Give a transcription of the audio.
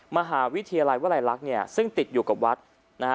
มหาวิทยาลัยวลัยลักษณ์เนี่ยซึ่งติดอยู่กับวัดนะฮะ